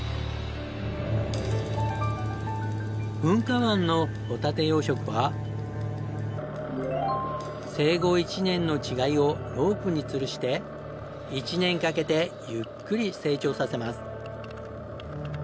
噴火湾のホタテ養殖は生後１年の稚貝をロープにつるして１年かけてゆっくり成長させます。